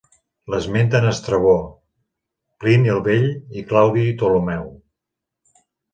L'esmenten Estrabó, Plini el Vell i Claudi Ptolemeu.